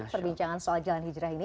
perbincangan soal jalan hijrah ini